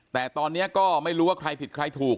แต่ตอนนี้ก็ไม่รู้ว่าใครผิดใครถูก